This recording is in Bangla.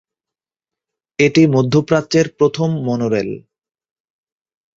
এটি মধ্য প্রাচ্যের প্রথম মনোরেল।